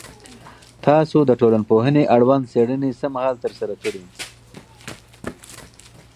تاسو د ټولنپوهنې اړوند څېړنې څه مهال ترسره کړي؟